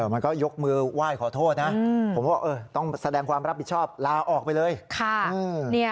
มันก็ยกมือไหว้ขอโทษนะผมบอกต้องแสดงความรับผิดชอบลาออกไปเลย